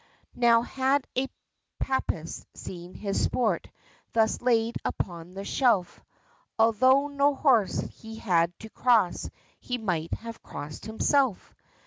Now had a Papist seen his sport, Thus laid upon the shelf, Altho' no horse he had to cross, He might have crossed himself.